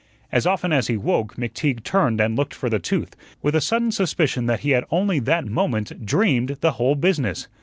As often as he woke, McTeague turned and looked for the tooth, with a sudden suspicion that he had only that moment dreamed the whole business.